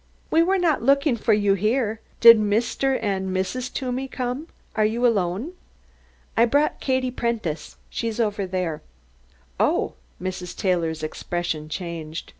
"We were not looking for you here. Did Mr. and Mrs. Toomey come? Are you alone?" "I brought Katie Prentice she's sitting over there." "Oh!" Mrs. Taylor's expression changed.